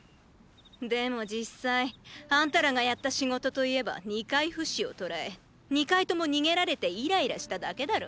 でも実際あんたらがやった仕事といえば二回フシを捕らえ二回とも逃げられてイライラしただけだろ？